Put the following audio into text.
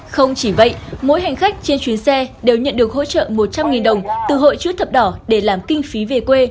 không chỉ vậy mỗi hành khách trên chuyến xe đều nhận được hỗ trợ một trăm linh đồng từ hội chữ thập đỏ để làm kinh phí về quê